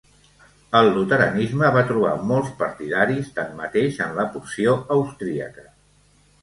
El luteranisme va trobar molts partidaris, tanmateix, en la porció austríaca.